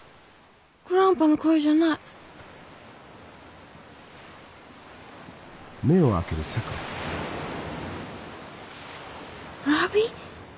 グランパの声じゃないロビー？